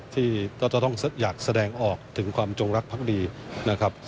ที่ก็จะต้องอยากแสดงออกถึงความจงรักภักดีนะครับ